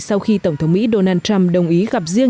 sau khi tổng thống mỹ donald trump đồng ý gặp riêng